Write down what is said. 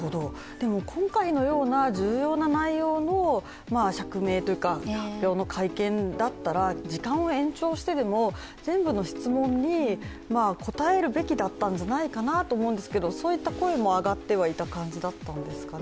今回のような重要な内容の釈明というか発表の会見だったら、時間を延長してでも全部の質問に答えるべきだったんじゃないかなと思うんですがそういった声も上がってはいた感じだったんですかね？